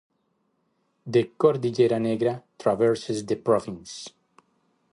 The Cordillera Negra traverses the province.